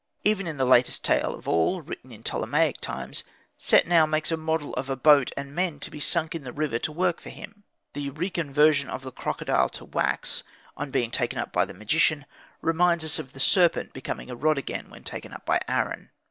Even in the latest tale of all (written in Ptolemaic times), Setnau makes a model of a boat and men, to be sunk in the river to work for him. The reconversion of the crocodile to wax, on being taken up by the magician, reminds us of the serpent becoming again a rod when taken up by Aaron.